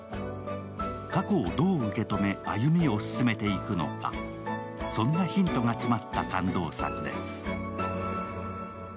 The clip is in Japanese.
過去をどう受け止め、歩みを進めていくのか、そんなヒントが詰まった感動作です。